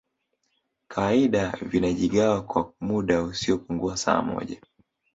kawaida vinajigawa kwa muda usiopungua saa moja